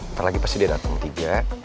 ntar lagi pasti dia dateng